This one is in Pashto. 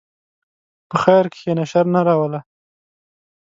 په خیر کښېنه، شر نه راوله.